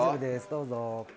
どうぞ。